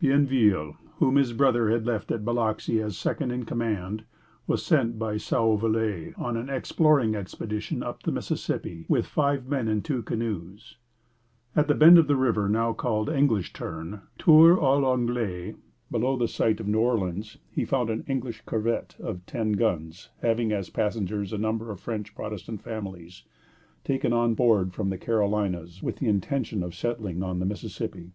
Bienville, whom his brother had left at Biloxi as second in command, was sent by Sauvolle on an exploring expedition up the Mississippi with five men in two canoes. At the bend of the river now called English Turn, Tour à l'Anglais, below the site of New Orleans, he found an English corvette of ten guns, having, as passengers, a number of French Protestant families taken on board from the Carolinas, with the intention of settling on the Mississippi.